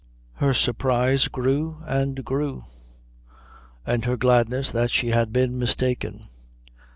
Her surprise grew and grew, and her gladness that she had been mistaken.